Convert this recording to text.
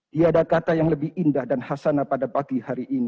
tiada kata yang lebih indah dan hasanah pada pagi hari ini